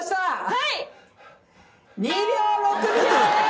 はい！